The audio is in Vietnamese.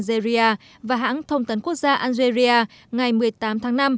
chủ tịch hồ chí minh và hãng thông tấn quốc gia algeria ngày một mươi tám tháng năm